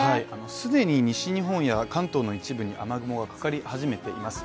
既に西日本や関東の一部に雨雲がかかり始めています。